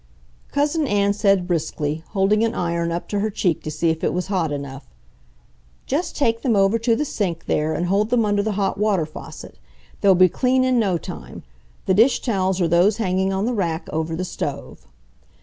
Cousin Ann said briskly, holding an iron up to her cheek to see if it was hot enough: "Just take them over to the sink there and hold them under the hot water faucet. They'll be clean in no time. The dish towels are those hanging on the rack over the stove."